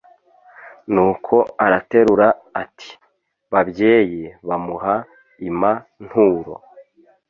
nuko araterura ati: “babyeyi bamuha ima nturo